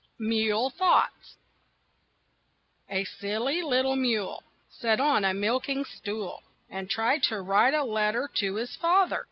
MULE THOUGHTS A silly little mule Sat on a milking stool And tried to write a letter to his father.